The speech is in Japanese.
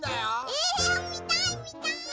えっみたいみたい！